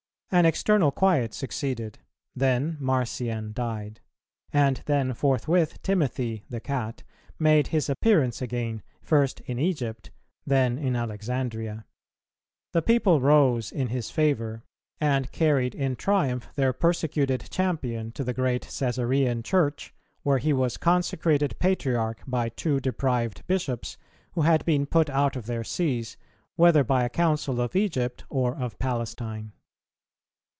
An external quiet succeeded; then Marcian died; and then forthwith Timothy (the Cat) made his appearance again, first in Egypt, then in Alexandria. The people rose in his favour, and carried in triumph their persecuted champion to the great Cæsarean Church, where he was consecrated Patriarch by two deprived Bishops, who had been put out of their sees, whether by a Council of Egypt or of Palestine.